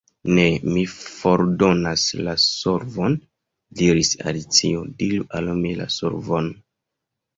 "Ne, mi fordonas la solvon," diris Alicio. "Diru al mi la solvon."